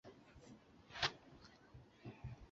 普卢泽韦代。